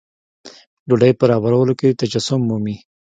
ډوډۍ برابرولو کې تجسم مومي.